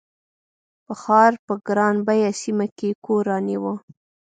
په ښار په ګران بیه سیمه کې کور رانیوه.